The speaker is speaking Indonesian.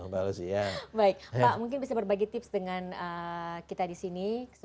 baik pak mungkin bisa berbagi tips dengan kita disini